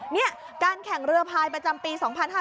นี่การแข่งเรือพายประจำปี๒๕๕๙